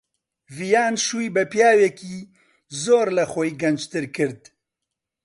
ڤیان شووی بە پیاوێکی زۆر لە خۆی گەنجتر کرد.